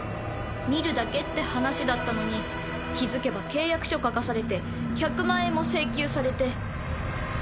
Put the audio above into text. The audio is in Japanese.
見るだけって話だったのに気付けば契約書書かされて１００万円も請求されて。